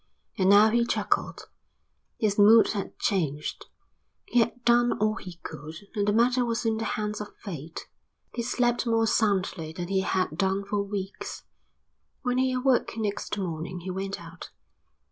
And now he chuckled. His mood had changed. He had done all he could and the matter was in the hands of fate. He slept more soundly than he had done for weeks. When he awoke next morning he went out.